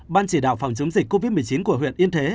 ban chỉ đạo phòng chống dịch covid một mươi chín của huyện yên thế